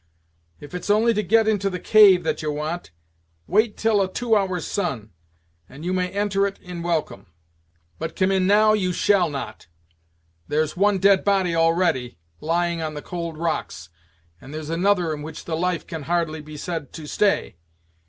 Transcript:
If it's only to get into the cave that ye want, wait till a two hours' sun, and you may enter it in welcome; but come in now you shall not. There's one dead body already, lying on the cold rocks, and there's another in which the life can hardly be said to stay.